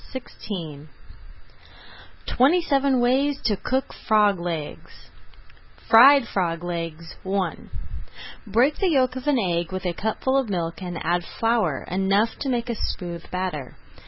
[Page 151] TWENTY SEVEN WAYS TO COOK FROG LEGS FRIED FROG LEGS I Beat the yolk of an egg with a cupful of milk and add flour enough to make a smooth batter.